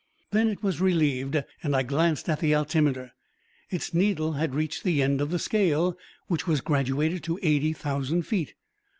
Then it was relieved, and I glanced at the altimeter. Its needle had reached the end of the scale, which was graduated to eighty thousand feet!